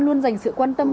luôn dành sự quan tâm